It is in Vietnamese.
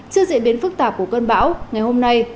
trước diễn biến phức tạp của cơn bão